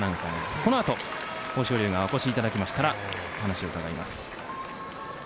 この後、豊昇龍にお越しいただきましたらお話を伺います。